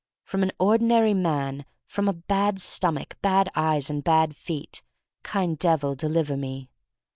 From an ordinary man; from a bad stomach, bad eyes, and bad feet: Kind Devil, deliver me.